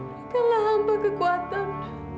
berikanlah hamba kekuatan